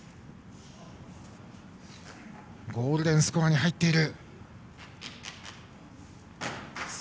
ゴールデンスコアに入っている。